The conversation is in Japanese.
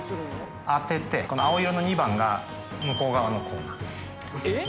この青色の２番が向こう側のコーナー。